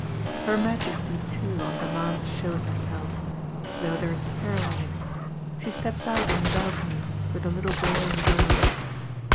Her Majesty too, on demand, shows herself, though there is peril in it: she steps out on the balcony, with her little boy and girl.